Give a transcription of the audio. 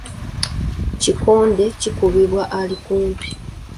Kikonde kikubwa ali kumpi.